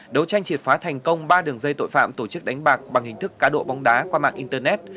đấu tranh triệt phá thành công ba đường dây tội phạm tổ chức đánh bạc bằng hình thức cá độ bóng đá qua mạng internet